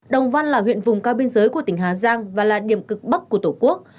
đồng văn là huyện vùng cao biên giới của tỉnh hà giang và là điểm cực bắc của tổ quốc